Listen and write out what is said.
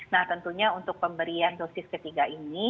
nah tentunya untuk pemberian dosis ketiga ini